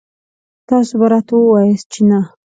تاسو به راته وواياست چې نه.